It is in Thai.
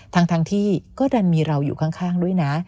ทั้งที่ก็ดันมีเราอยู่ข้างด้วยนะ